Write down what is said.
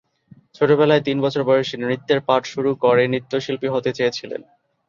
ছোটবেলায়, তিন বছর বয়সে নৃত্যের পাঠ শুরু করে নৃত্যশিল্পী হতে চেয়েছিলেন।